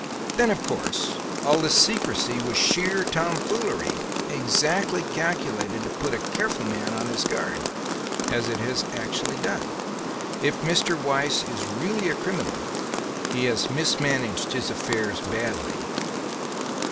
Then, of course, all this secrecy was sheer tomfoolery, exactly calculated to put a careful man on his guard; as it has actually done. If Mr. Weiss is really a criminal, he has mismanaged his affairs badly."